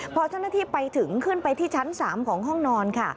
พอเจ้าหน้าที่ไปถึงขึ้นไปที่ชั้น๓ของห้องนอนค่ะ